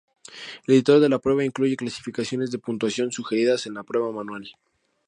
El editor de la prueba incluye clasificaciones de puntuación sugeridas en la prueba manual.